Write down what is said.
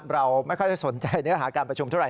เราไม่ค่อยได้สนใจเนื้อหาการประชุมเท่าไห